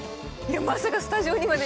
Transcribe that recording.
まさかスタジオにまでね。